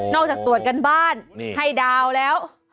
นอกจากตรวจการบ้านให้ดาวแล้ว